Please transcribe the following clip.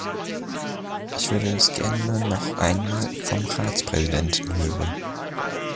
Ich würde das gerne noch einmal vom Ratspräsidenten hören.